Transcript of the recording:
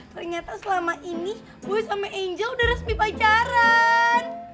ternyata selama ini gue sama angel udah resmi pacaran